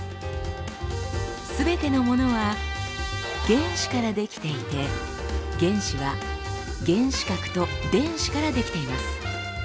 すべてのものは原子から出来ていて原子は原子核と電子から出来ています。